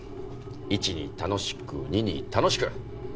一に楽しく二に楽しく。